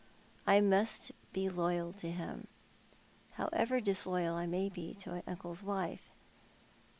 I must be loyal to him, however disloyal I may be to my uncle's wife.